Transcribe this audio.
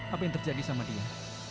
apa yang terjadi sama dia